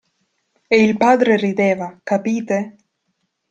E il padre rideva, capite?